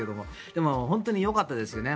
でも本当によかったですよね。